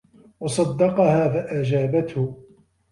وَصَدَّقَهَا فَأَجَابَتْهُ